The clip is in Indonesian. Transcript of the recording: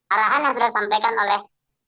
arahan yang sudah disampaikan oleh